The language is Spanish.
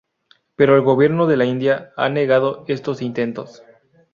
Pero el Gobierno de la India ha negado estos intentos.